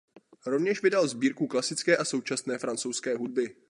Rovněž vydal sbírku klasické a současné francouzské hudby.